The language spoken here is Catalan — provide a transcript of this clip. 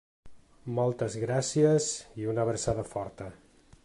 Moltes gràcies i una abraçada forta.